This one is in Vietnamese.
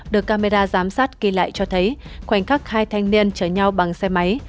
được camera giám sát ghi lại cho thấy khoảnh khắc hai thanh niên chở nhau bằng xe máy